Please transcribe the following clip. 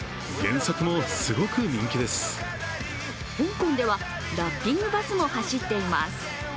香港ではラッピングバスも走っています。